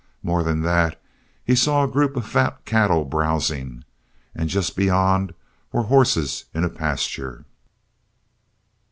More than that, he saw a group of fat cattle browzing, and just beyond were horses in a pasture.